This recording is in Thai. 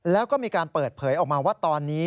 แล้วก็มีการเปิดเผยออกมาว่าตอนนี้